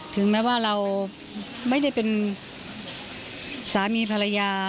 ถึงแม้ว่าเราไม่ได้เป็นสามีภรรยา